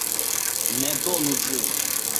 Ne donu ĝin!